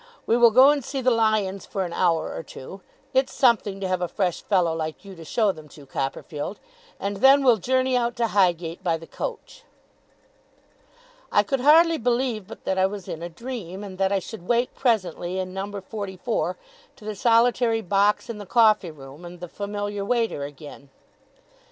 We will go and see the lions for an hour or two it's something to have a fresh fellow like you to show them to, Copperfield and then we'll journey out to Highgate by the coach.' I could hardly believe but that I was in a dream, and that I should wake presently in number forty four, to the solitary box in the coffee room and the familiar waiter again.